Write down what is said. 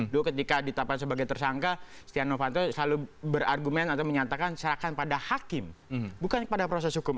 dulu ketika ditetapkan sebagai tersangka setia novanto selalu berargumen atau menyatakan serahkan pada hakim bukan pada proses hukum